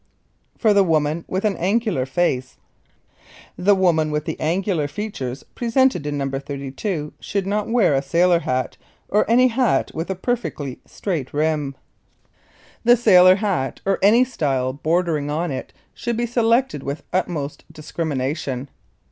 For the Woman with an Angular Face. [Illustration: NOS. 32 AND 33] The woman with the angular features presented in No. 32 should not wear a sailor hat or any hat with a perfectly straight rim. The sailor hat or any style bordering on it should be selected with utmost discrimination.